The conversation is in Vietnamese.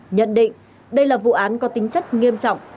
nhận định đây là vụ án có tính chất nghiêm trọng